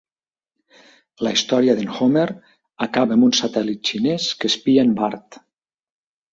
La història d'en Homer acaba amb un satèl·lit xinès que espia en Bart.